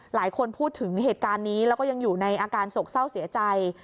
หลายคนพูดถึงเหตุการณ์นี้แล้วก็ยังอยู่ในอาการโศกเศร้าเสียใจ